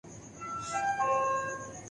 بنیادی انسانی حقوق کا احترام جمہوریت کا حصہ ہے۔